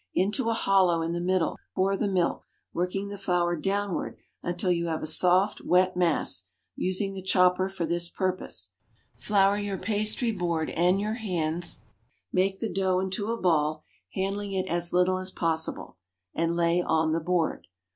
Into a hollow in the middle pour the milk, working the flour downward until you have a soft, wet mass, using the chopper for this purpose. Flour your pastry board and your hands, make the dough into a ball, handling it as little as possible, and lay on the board.